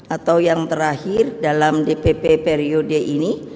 atau yang terakhir dalam dpp periode ini